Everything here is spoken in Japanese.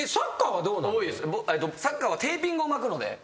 サッカーはテーピングを巻くので。